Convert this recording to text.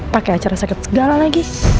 pakai acara sakit segala lagi